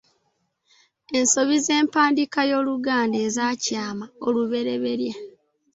Ensobi z'empandiika y'Oluganda ezakyama olubereberye.